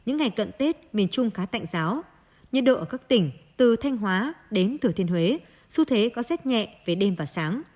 nhiệt độ ở các tỉnh từ thanh hóa đến thử thiên huế xu thế có rét nhẹ về đêm và sáng